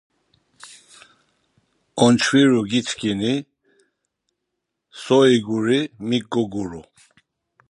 Oktiona xaçkumtişa bergiten so geçamti var giçkittu derditen